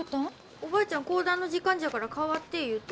おばあちゃん講談の時間じゃから代わって言うて。